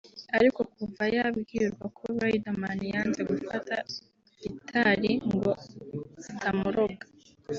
ariko kuva yabwirwa ko Riderman yanze gufata gitari ngo atamuroga